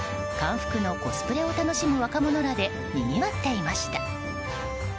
服でコスプレを楽しむ若者らでにぎわっていました。